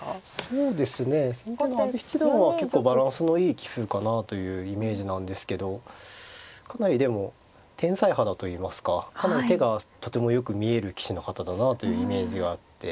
そうですね先手の阿部七段は結構バランスのいい棋風かなというイメージなんですけどかなりでも天才肌といいますかかなり手がとてもよく見える棋士の方だなというイメージがあって。